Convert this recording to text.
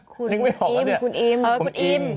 คุณอิ่มคุณอิ่มคุณอิ่มคุณอิ่ม